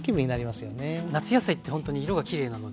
夏野菜ってほんとに色がきれいなので。